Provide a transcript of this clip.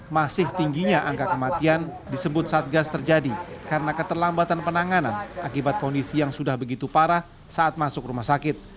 masih tingginya angka kematian disebut satgas terjadi karena keterlambatan penanganan akibat kondisi yang sudah begitu parah saat masuk rumah sakit